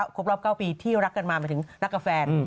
ครบรอบ๙ปีที่รักกันมาหมายถึงรักกับแฟน